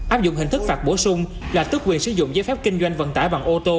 áp dụng hình thức phạt bổ sung là tước quyền sử dụng giấy phép kinh doanh vận tải bằng ô tô